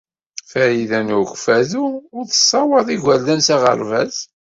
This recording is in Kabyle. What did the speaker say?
Farida n Ukeffadu ur tessawaḍ igerdan s aɣerbaz.